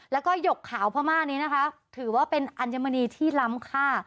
แล้วก็หยกขาวพม่านี้นะคะถือว่าเป็นอัญมณีที่ล้ำค่า